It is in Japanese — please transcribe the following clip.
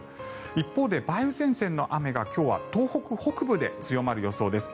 一方で梅雨前線の雨が今日は東北北部で強まる予想です。